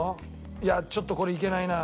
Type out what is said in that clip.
いやちょっとこれいけないな。